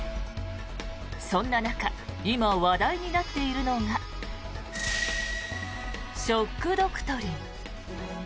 そんな中今、話題になっているのがショック・ドクトリン。